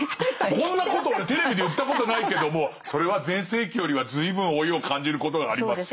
こんなこと俺テレビで言ったことないけどもそれは全盛期よりは随分老いを感じることがあります。